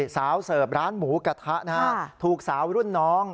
สาวเสิร์ฟร้านหมูกระทะนะฮะถูกสาวรุ่นน้อง